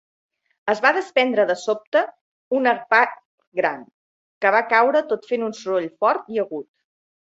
Es va desprendre de sobte una part gran, que va caure tot fent un soroll fort i agut.